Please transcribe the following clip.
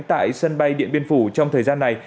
tại sân bay điện biên phủ trong thời gian này